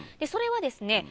それはですね